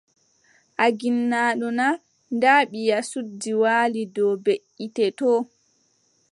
A ginnaaɗo naa, ndaa ɓiya suddi waali dow beʼitte too.